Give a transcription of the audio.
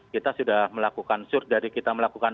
kita sudah melakukan sur dari kita melakukan